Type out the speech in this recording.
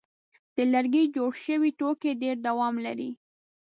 د لرګي جوړ شوي توکي ډېر دوام لري.